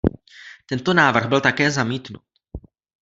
Tento návrh byl také zamítnut.